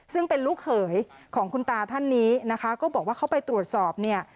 ซึ่งเป็นลูกเขยของคุณตาท่านนี้นะคะก็บอกว่าเขาไปตรวจสอบเนี่ย